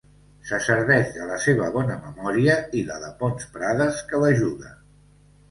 Se serveix de la seva bona memòria i la de Pons Prades, que l'ajuda.